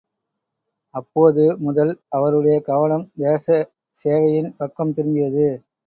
அப்போது முதல் அவருடைய கவனம் தேச சேவையின் பக்கம் திரும்பியது.